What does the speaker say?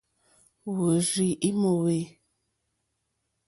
Wôrzô í mòwê.